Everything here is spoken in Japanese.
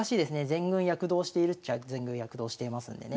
全軍躍動しているっちゃ全軍躍動していますんでね。